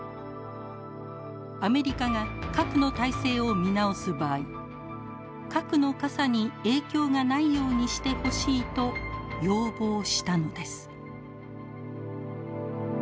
アメリカが核の態勢を見直す場合核の傘に影響がないようにしてほしいと要望したのです。